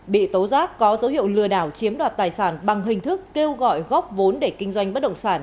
bị tố giác có dấu hiệu lừa đảo chiếm đoạt tài sản bằng hình thức kêu gọi góp vốn để kinh doanh bất động sản